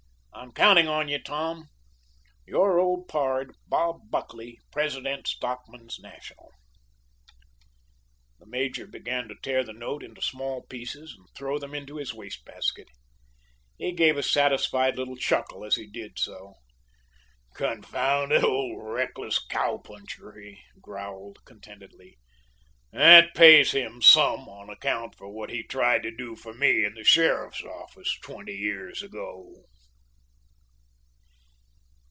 I'm counting on you, Tom. Your Old Pard, BOB BUCKLY, Prest. Stockmen's National. The major began to tear the note into small pieces and throw them into his waste basket. He gave a satisfied little chuckle as he did so. "Confounded old reckless cowpuncher!" he growled, contentedly, "that pays him some on account for what he tried to do for me in the sheriff's office twenty years ago."